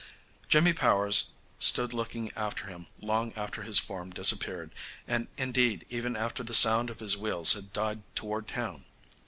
Jimmy Powers stood looking after him long after his form had disappeared, and indeed even after the sound of his wheels had died toward town.